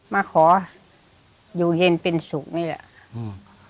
มาขออยู่เย็นเป็นสุขนี่แหละอืม